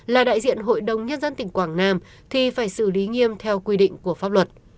là đại diện hội đồng nhân dân tỉnh quảng nam thì phải xử lý nghiêm theo quy định của pháp luật